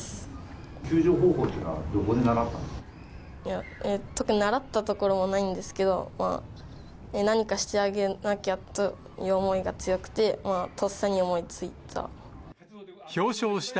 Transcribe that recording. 救助方法っていうのは、特に習ったところはないんですけど、何かしてあげなきゃという思いが強くて、とっさに思いついた。